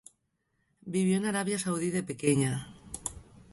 Vivió en Arabia Saudí de pequeña.